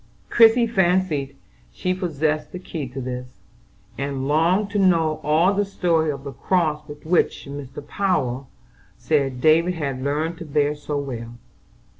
Christie fancied she possessed the key to this, and longed to know all the story of the cross which Mr. Power said David had learned to bear so well.